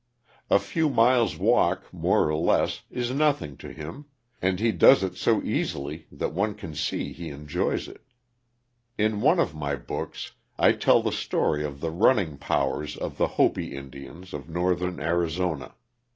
A few miles' walk, more or less, is nothing to him, and he does it so easily that one can see he enjoys it. In one of my books I tell the story of the running powers of the Hopi Indians of northern Arizona.